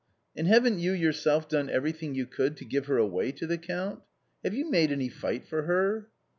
And haven't you yourself done everything you could to give her away to the Count ? Have you made any fight for her